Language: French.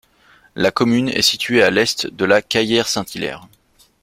La commune est située à l'est de La Caillère-Saint-Hilaire.